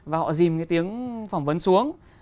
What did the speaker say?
và họ dìm cái tiếng phỏng vấn xuống